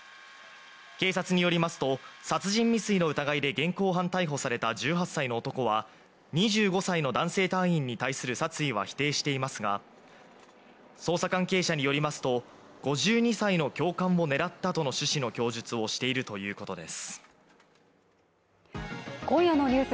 警察によりますと、殺人未遂の疑いで現行犯逮捕された１８歳の男は、２５歳の男性隊員に対する殺意は否定していますが、捜査関係者によりますと、５２歳の教官も狙ったとの趣旨の供述をしているということです。